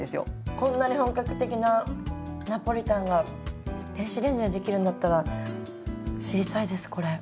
こんなに本格的なナポリタンが電子レンジで出来るんだったら知りたいですこれ。